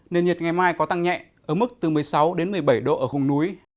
nền nhiệt ngày mai có tăng nhẹ ở mức từ một mươi sáu đến một mươi bảy độ ở vùng núi